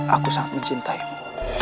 aku sangat mencintaimu